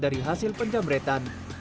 dari hasil penjambretan